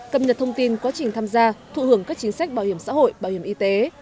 cập nhật thông tin quá trình tham gia thụ hưởng các chính sách bảo hiểm xã hội bảo hiểm y tế